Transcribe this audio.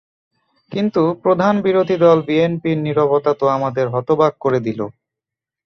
কিন্তু প্রধান বিরোধী দল বিএনপির নীরবতা তো আমাদের হতবাক করে দিল।